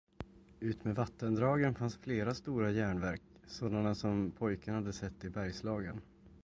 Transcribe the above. Utmed vattendragen fanns flera stora järnverk, sådana som pojken hade sett i Bergslagen.